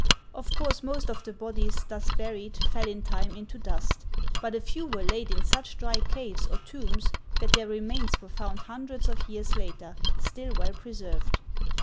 Of course most of the bodies thus buried fell in time into dust ; but a few were laid in such dry Digitized by Google THE GAULS 13 caves or tombs that their remains were found hundreds of years later, still well preserved.